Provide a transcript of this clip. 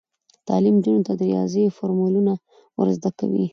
تعلیم نجونو ته د ریاضي فورمولونه ور زده کوي.